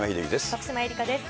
徳島えりかです。